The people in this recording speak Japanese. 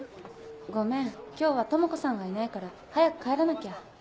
ごめん今日は友子さんがいないから早く帰らなきゃ。